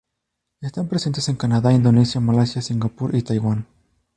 Están presentes en Canadá, Indonesia, Malasia, Singapur y Taiwán.